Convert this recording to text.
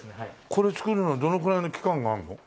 これ作るのにどのくらいの期間があるの？